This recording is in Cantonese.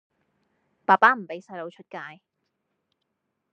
爸爸唔畀細佬出街